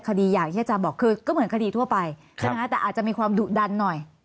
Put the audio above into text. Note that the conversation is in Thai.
คดีอย่างที่อาจารย์บอกคือก็เหมือนคดีทั่วไปใช่ไหมคะแต่อาจจะมีความดุดันหน่อย